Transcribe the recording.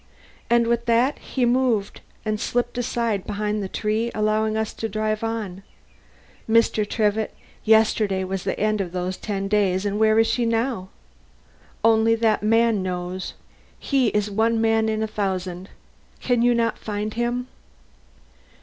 And with that he moved, and, slipping aside behind the tree, allowed us to drive on. Mr. Trevitt, yesterday saw the end of those ten days, and where is she now? Only that man knows. He is one man in a thousand. Can not you find him?"